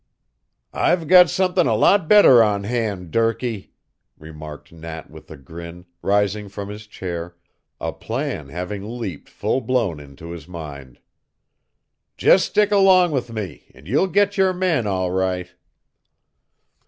"I've got something a lot better on hand, Durkee," remarked Nat with a grin, rising from his chair, a plan having leaped full blown into his mind. "Just stick along with me and you'll get your man, all right."